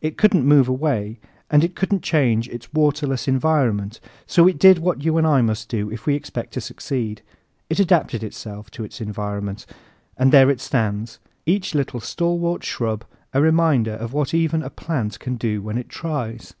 It couldn't move away and it couldn't change its waterless environment, so it did what you and I must do if we expect to succeed. It adapted itself to its environment, and there it stands, each little stalwart shrub a reminder of what even a plant can do when it tries!